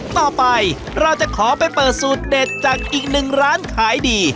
ต่อไปเราจะขอไปเปิดสูตรเด็ดจากอีกหนึ่งร้านขายดี